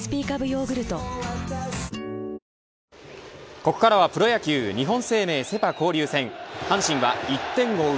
ここからプロ野球日本生命セ・パ交流戦阪神は１点を追う